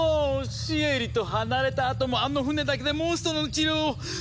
シエリと離れたあともあの船だけでモンストロの治療をしてるじゃないの。